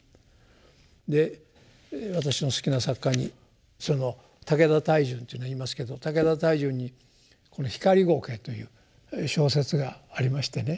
で私の好きな作家にその武田泰淳というのがいますけど武田泰淳にこの「ひかりごけ」という小説がありましてね。